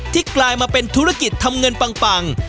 กลายมาเป็นธุรกิจทำเงินปัง